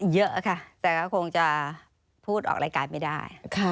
เยอะค่ะแต่ก็คงจะพูดออกรายการไม่ได้